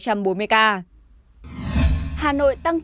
hà nội tăng cấp